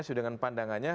sesuai dengan pandangannya